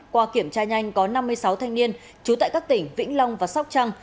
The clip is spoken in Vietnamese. qua kiểm tra nhanh có năm mươi sáu thanh niên trú tại các tỉnh vĩnh long và sóc trăng